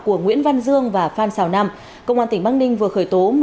của nguyễn văn dương và phan xào nam công an tỉnh bắc ninh vừa khởi tố